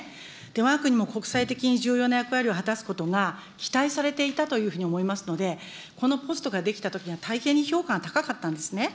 わが国も国際的に重要な役割を果たすことが期待されていたというふうに思いますので、このポストができたときには大変に評価が高かったんですね。